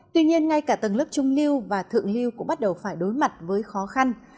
tuy nhiên ngay cả tầng lớp trung lưu và thượng lưu cũng bắt đầu phải đối mặt với khó khăn